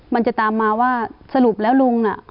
มันจะตามมาว่าสรุปแล้วลุงน่ะ